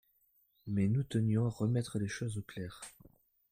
mais nous tenions à remettre les choses au clair.